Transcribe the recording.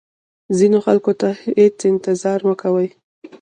ځینو خلکو ته هیڅ انتظار مه کوئ.